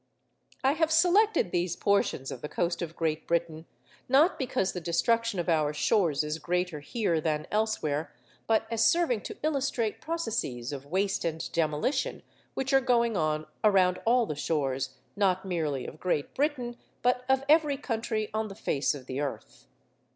I have selected these portions of the coast of Great Britain, not because the destruction of our shores is greater here than elsewhere, but as serving to illustrate processes of waste and demolition which are going on around all the shores, not merely of Great Britain, but of every country on the face of the earth.